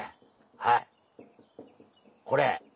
はいこれ！